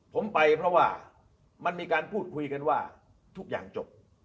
ผมไปเพราะว่ามันมีการพูดคุยกันว่าทุกอย่างจบ